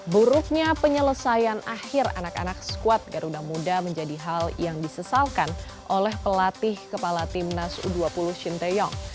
buruknya penyelesaian akhir anak anak skuad garuda muda menjadi hal yang disesalkan oleh pelatih kepala timnas u dua puluh shin taeyong